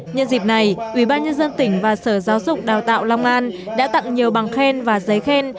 nhân dịp này ubnd tỉnh và sở giáo dục đào tạo long an đã tặng nhiều bằng khen và giấy khen